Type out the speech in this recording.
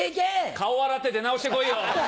顔洗って出直してこいよ！